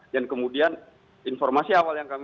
dan kemudian informasi awal yang kami